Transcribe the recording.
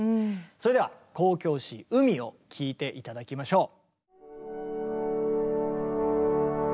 それでは交響詩「海」を聴いて頂きましょう。